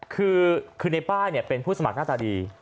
คือในป้ายเป็นผู้สมัครหน้าตาดี